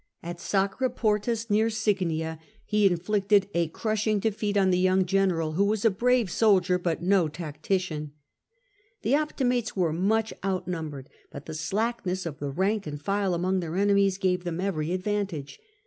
At Sacriportus, near Signia, he inflicted a crushing defeat on the young general, who was a brave soldier but no tac tician. The Optimates were much outnumbered, but the slackness of the rank and file among their enemies gave them every advantage.